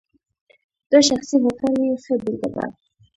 دا شخصي هوټل یې ښه بېلګه ده.